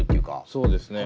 そうですね。